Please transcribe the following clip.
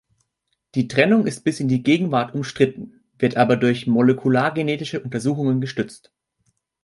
Die Trennung ist bis in die Gegenwart umstritten, wird aber durch molekulargenetische Untersuchungen gestützt.